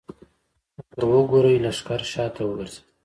ورته وګورئ! لښکر شاته وګرځېد.